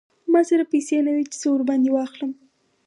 ما سره پیسې نه وې چې څه ور باندې واخلم.